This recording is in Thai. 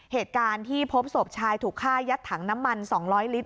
เหตุการณ์ที่พบศพชายถูกฆ่ายัดถังน้ำมัน๒๐๐ลิตร